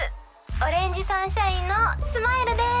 オレンジサンシャインのスマイルです。